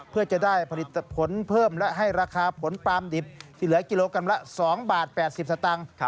เพื่อจะได้ผลิตผลเพิ่มและให้ราคาผลปลามดิบที่เหลือกิโลกรัมละ๒บาท๘๐สตางค์